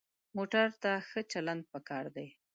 موټر ته ښه چلند پکار دی.